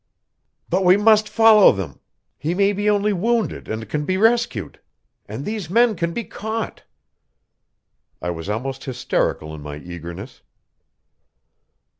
"But we must follow them. He may be only wounded and can be rescued. And these men can be caught." I was almost hysterical in my eagerness.